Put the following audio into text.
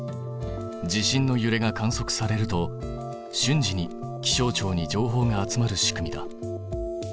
地震のゆれが観測されると瞬時に気象庁に情報が集まる仕組みだ。